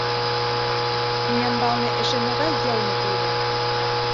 Тӱнямбалне эше могай йылме уло?